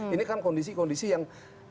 ini kan kondisi kondisi yang